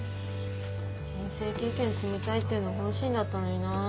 人生経験積みたいっていうの本心だったのにな。